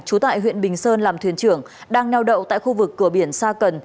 chú tại huyện bình sơn làm thuyền trưởng đang neo đậu tại khu vực cờ biển sa cần